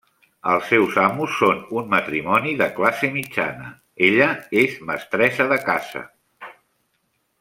Els seus amos són un matrimoni de classe mitjana, ella és mestressa de casa.